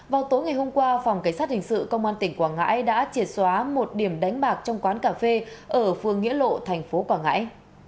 vào tối ngày hôm qua phòng cảnh sát hình sự công an tỉnh quảng ngãi đã triệt xóa một điểm đánh bạc trong quán cà phê ở phường nghĩa lộ thành phố quảng ngãi